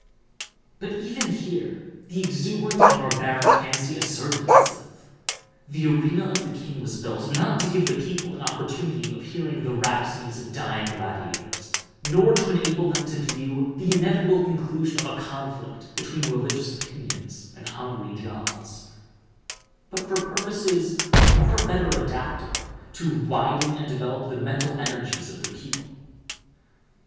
But even here the exuberant and barbaric fancy asserted itself. The arena of the king was built, not to give the people an opportunity of hearing the rhapsodies of dying gladiators, nor to enable them to view the inevitable conclusion of a conflict between religious opinions and hungry jaws, but for purposes far better adapted to widen and develop the mental energies of the people.